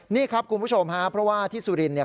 นี่ครับคุณผู้ชมฮะเพราะว่าที่สุรินเนี่ย